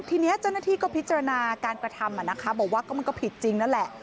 ทีนี้เจ้าหน้าที่ก็พิจารณาการกระทำบอกว่าก็มันก็ผิดจริงนั่นแหละ